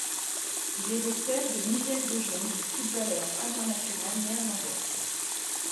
Il est le père de Nigel de Jong, footballeur international néerlandais.